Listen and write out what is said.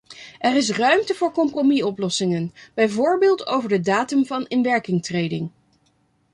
Er is ruimte voor compromis-oplossingen, bijvoorbeeld over de datum van inwerkingtreding.